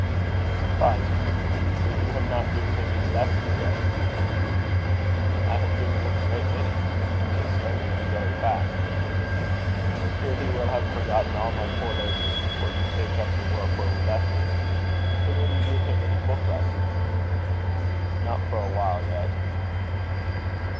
"You surprise me. But you have not given him any lessons yet." "I have given him a great many, and he is learning them very fast." "I fear he will have forgotten all my poor labours before you take up the work where we left it. When will you give him any book lessons?" "Not for a while yet."